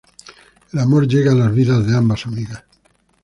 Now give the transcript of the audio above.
El amor llega a las vidas de ambas amigas.